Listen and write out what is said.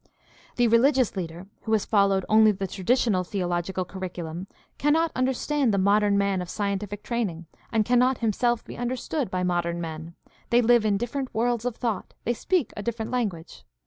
The religious leader who has followed only the traditional theological curriculum cannot understand the modern man of scientific training and cannot himself be understood by modern men; they live in different worlds of thought; they speak a different language.